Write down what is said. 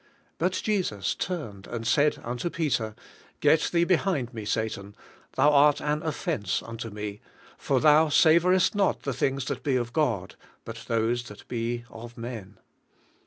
But Jesus turned and said unto Peter, "Get thee behind me, Satan; thou art an offense unto me, for thou savorest not the things that be of God, but those that be of men."